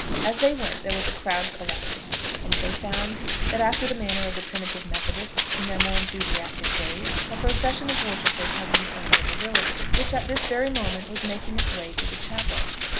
As they went there was a crowd collected, and they found that after the manner of the Primitive Methodists in their more enthusiastic days, a procession of worshippers had been formed in the village, which at this very moment was making its way to the chapel.